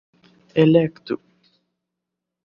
elektu